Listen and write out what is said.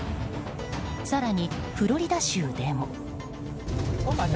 更にフロリダ州でも。